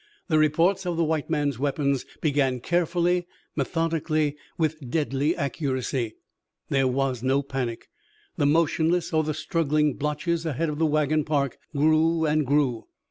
The reports of the white men's weapons began, carefully, methodically, with deadly accuracy. There was no panic. The motionless or the struggling blotches ahead of the wagon park grew and grew.